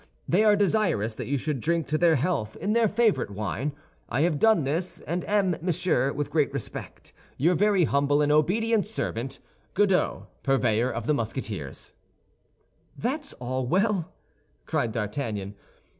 They are desirous that you should drink to their health in their favorite wine. I have done this, and am, monsieur, with great respect, Your very humble and obedient servant, GODEAU, Purveyor of the Musketeers "That's all well!" cried D'Artagnan.